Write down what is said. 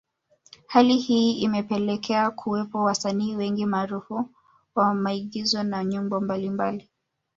Hali hii imepelekea kuwepo wasanii wengi maarufu wa maigizo na nyimbo mbalimbali